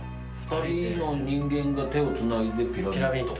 ２人の人間が手をつないでピラミッド。